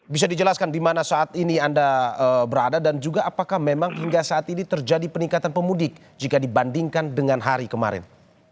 bisa dijelaskan di mana saat ini anda berada dan juga apakah memang hingga saat ini terjadi peningkatan pemudik jika dibandingkan dengan hari kemarin